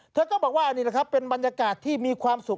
เธอก็บอกว่านี่แหละครับเป็นบรรยากาศที่มีความสุข